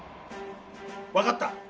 分かった。